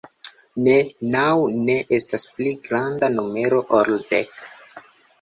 Ne, naŭ ne estas pli granda numero ol dek.